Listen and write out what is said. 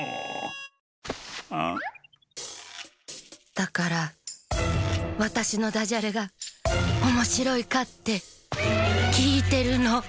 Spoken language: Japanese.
だからわたしのダジャレがおもしろいかってきいてるの！